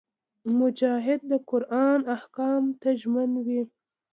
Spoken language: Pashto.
مجاهد د قران احکامو ته ژمن وي.